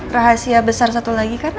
rahasia besar satu lagi kan